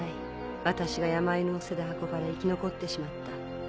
私が山犬の背で運ばれ生き残ってしまった。